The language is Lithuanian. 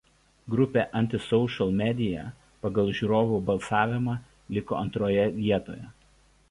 Grupė „Anti Social Media“ pagal žiūrovų balsavimą liko antroje vietoje.